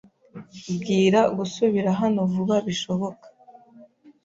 Bwira gusubira hano vuba bishoboka.